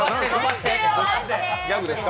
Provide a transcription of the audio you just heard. ギャグですか？